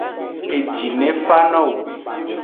Eji ne fa no wo.